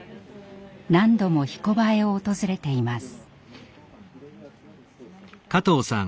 何度も「ひこばえ」を訪れています。